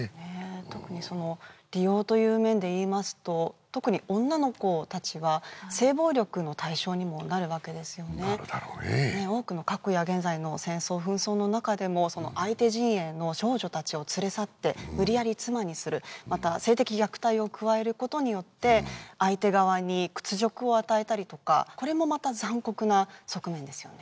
特にその利用という面でいいますと特に女の子たちは性暴力の対象にもなるわけですよねなるだろうね多くの過去や現在の戦争紛争の中でも相手陣営の少女たちを連れ去って無理やり妻にするまた性的虐待を加えることによって相手側に屈辱を与えたりとかこれもまた残酷な側面ですよね